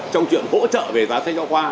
trong chuyện hỗ trợ về giá sách giáo khoa